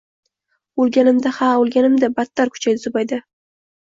-O’lganimda, ha, o’lganimda! – Badtar kuchaydi Zubayda.